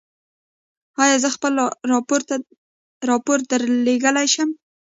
ایا زه خپل راپور درلیږلی شم؟